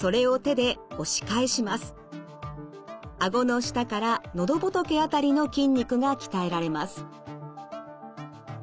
顎の下から喉仏辺りの筋肉が鍛えられます。